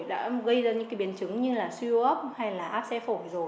đã gây ra những biến chứng như là suy ốp hay là áp xe phổi rồi